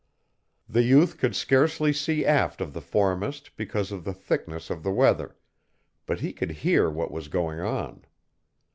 The youth could scarcely see aft of the foremast because of the thickness of the weather, but he could hear what was going on.